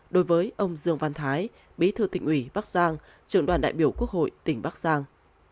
đối với ông dương văn thái bí thư tỉnh ủy bắc giang trường đoàn đại biểu quốc hội tỉnh bắc giang